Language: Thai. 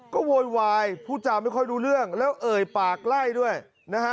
ก็โวยวายพูดจาไม่ค่อยรู้เรื่องแล้วเอ่ยปากไล่ด้วยนะฮะ